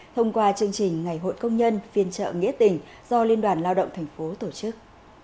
thông qua chương trình ngày hội công nhân phiên trợ nghĩa tình do liên đoàn lao động thành phố tổ chức